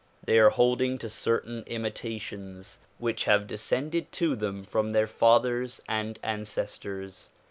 They are holding to certain imitations which have descended to them from their fathers and ancestors.